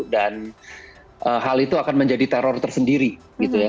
dan hal itu akan menjadi teror tersendiri gitu ya